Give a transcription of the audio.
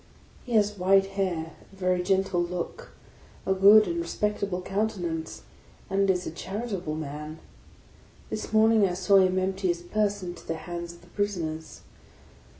He has white hair, a very gentle look, a good and respectable countenance, and is a charitable man. This morning I saw him empty his purse into the hands of the prisoners.